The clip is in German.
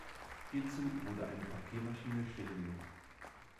Hierzu wurde eine Papiermaschine stillgelegt.